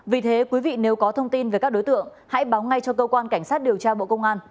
vì thế quý vị nếu có thông tin về các đối tượng hãy báo ngay cho cơ quan cảnh sát điều tra bộ công an